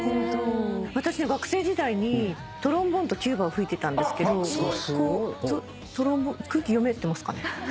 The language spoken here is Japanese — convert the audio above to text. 私ね学生時代にトロンボーンとチューバを吹いてたんですけど空気読めてますかね？